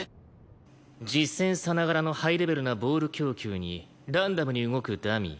実戦さながらのハイレベルなボール供給にランダムに動くダミー。